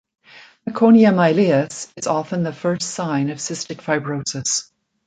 Meconium ileus is often the first sign of cystic fibrosis.